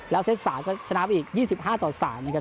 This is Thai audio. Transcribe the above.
แล้วเซ็ตสามก็ชนะไปอีกยี่สิบห้าต่อสามนะครับ